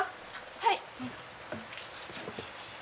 はい。